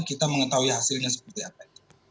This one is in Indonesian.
kita mengetahui hasilnya seperti apa